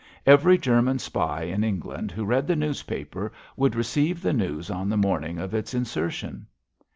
Every German spy in England who read the newspaper would receive the news on the morning of its insertion.